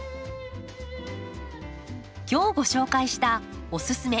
今日ご紹介した「おススメ！